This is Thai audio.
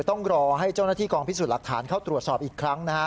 ต้องรอให้เจ้าหน้าที่กองพิสูจน์หลักฐานเข้าตรวจสอบอีกครั้งนะฮะ